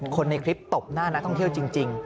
คนในคลิปตบหน้านักท่องเที่ยวจริง